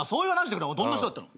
どんな人だったの？